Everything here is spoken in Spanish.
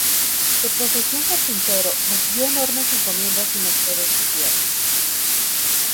De profesión carpintero, recibió enormes encomiendas y mercedes de tierras.